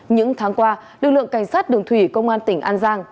những tháng qua lực lượng cảnh sát đường thủy công an tỉnh an giang